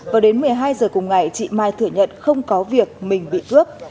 vào đến một mươi hai giờ cùng ngày chị mai thử nhận không có việc mình bị cướp